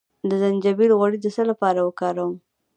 د زنجبیل غوړي د څه لپاره وکاروم؟